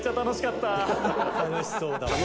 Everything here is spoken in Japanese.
楽しかったんだ。